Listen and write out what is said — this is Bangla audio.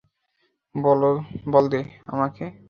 বল দে আমাকে।